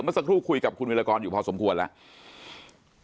เมื่อสักครู่คุยกับคุณวิรากรอยู่พอสมควรแล้ว